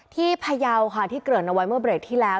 พยาวค่ะที่เกริ่นเอาไว้เมื่อเบรกที่แล้ว